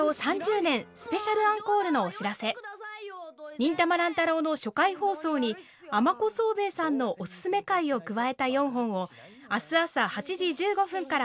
「忍たま乱太郎」の初回放送に尼子騒兵衛さんのおススメ回を加えた４本を明日朝８時１５分から放送します。